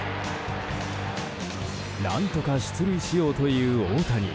何とか出塁しようという大谷。